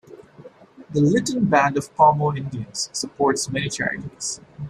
The Lytton Band of Pomo Indians supports many charities.